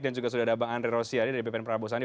dan juga sudah ada bang andre rosiani dari bpn prabowo sandi